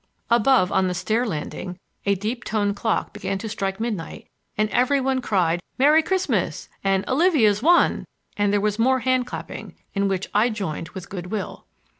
] Above, on the stair landing, a deep toned clock began to strike midnight and every one cried "Merry Christmas!" and "Olivia's won!" and there was more hand clapping, in which I joined with good will.